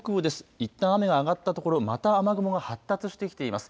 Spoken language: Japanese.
いったん雨が上がったところまた雨雲が発達してきています。